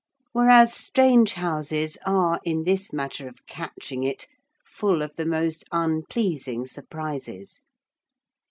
Whereas strange houses are, in this matter of catching it, full of the most unpleasing surprises.